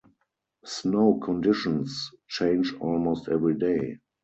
Snow conditions change almost every day.